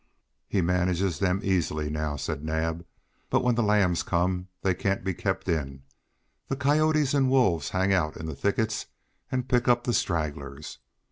"He manages them easily now," said Naab, "but when the lambs come they can't be kept in. The coyotes and wolves hang out in the thickets and pick up the stragglers.